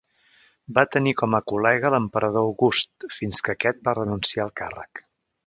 Va tenir com a col·lega l'emperador August, fins que aquest va renunciar al càrrec.